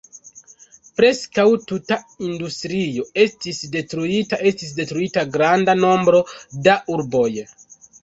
Preskaŭ tuta industrio estis detruita, estis detruita granda nombro da urboj.